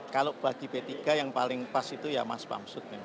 kalau bagi p tiga yang paling pas itu ya mas bamsud